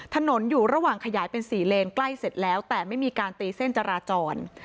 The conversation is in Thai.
ถนนอยู่ระหว่างขยายเป็น๔เลนใกล้เสร็จแล้วแต่ไม่มีการตีเส้นจราจร